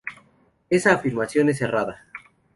Esa afirmación es errada.